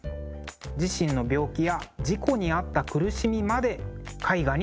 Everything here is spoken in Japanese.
自身の病気や事故に遭った苦しみまで絵画に表現しています。